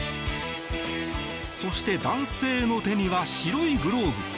そして、男性の手には白いグローブ。